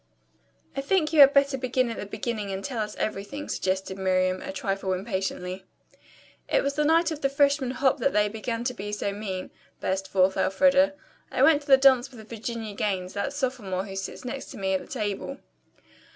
"I think you had better begin at the beginning and tell us everything," suggested Miriam, a trifle impatiently. "It was the night of the freshman hop that they began to be so mean," burst forth Elfreda. "I went to the dance with Virginia Gaines, that sophomore who sits next to me at the table."